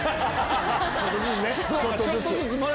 ちょっとずつね。